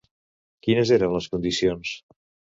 Quines eren les condicions?